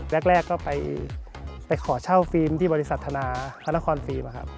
แรกก็ไปขอเช่าฟิล์มที่บริษัทธนาพระนครฟิล์มนะครับ